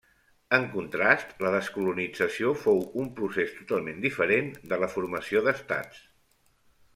En contrast, la descolonització fou un procés totalment diferent de la formació d'estats.